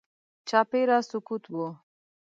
چاپېره سکوت و.